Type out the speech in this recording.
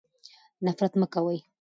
نفرت مه کوئ.